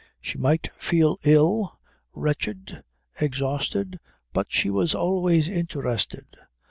She might feel ill, wretched, exhausted, but she was always interested.